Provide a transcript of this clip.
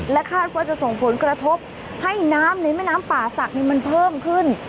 คาดว่าจะส่งผลกระทบให้น้ำในแม่น้ำป่าศักดิ์มันเพิ่มขึ้น